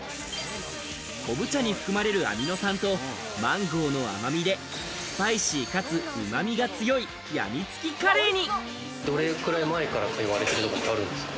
昆布茶に含まれるアミノ酸とマンゴーの甘みでスパイシーかつ旨味が強いやみつきカレーに。